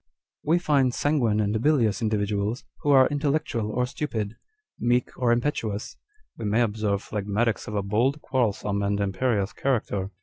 " We find sanguine and bilious individuals, "who are intellectual or stupid, meek or impetuous ; we may observe phlegmatics of a bold, quarrelsome, and imperious character.